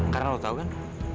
karena kamu tahu kan